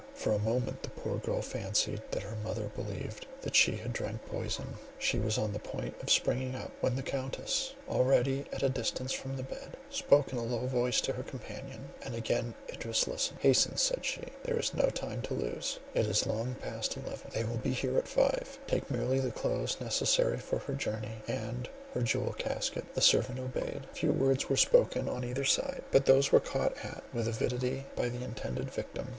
For a moment the poor girl fancied that her mother believed that she had drank poison: she was on the point of springing up; when the Countess, already at a distance from the bed, spoke in a low voice to her companion, and again Idris listened: "Hasten," said she, "there is no time to lose— it is long past eleven; they will be here at five; take merely the clothes necessary for her journey, and her jewel casket." The servant obeyed; few words were spoken on either side; but those were caught at with avidity by the intended victim.